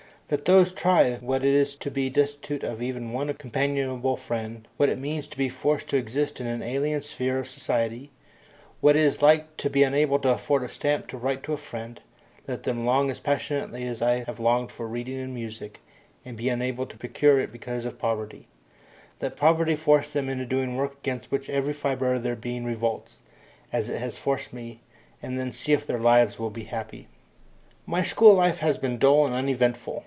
Let those try what it is to be destitute of even one companionable friend, what it means to be forced to exist in an alien sphere of society, what it is like to be unable to afford a stamp to write to a friend; let them long as passionately as I have longed for reading and music, and be unable to procure it because of poverty; let poverty force them into doing work against which every fibre of their being revolts, as it has forced me, and then see if their lives will be happy. My school life had been dull and uneventful.